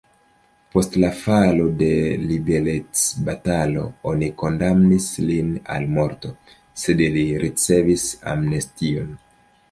Post la falo de liberecbatalo oni kondamnis lin al morto, sed li ricevis amnestion.